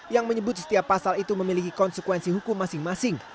yang menyebut setiap pasal itu memiliki konsekuensi hukum masing masing